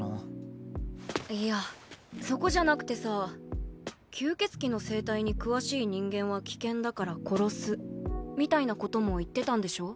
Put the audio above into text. いやそこじゃなくてさ「吸血鬼の生態に詳しい人間は危険だから殺す」みたいなことも言ってたんでしょ？